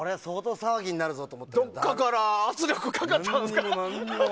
どっかから圧力かかったんですか？